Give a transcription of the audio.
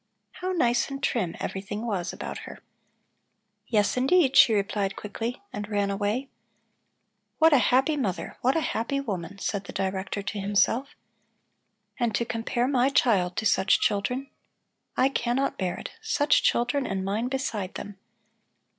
How nice and trim everything was about her! "Yes, indeed," she replied quickly, and ran away. "What a happy mother, what a happy woman!" said the Director to himself. "And to compare my child to such children. I cannot bear it! Such children, and mine beside them!"